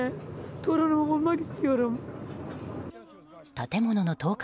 建物の倒壊